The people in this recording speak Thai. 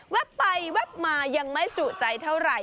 เว็บไปเว็บมายังไม่จุใจเท่าไร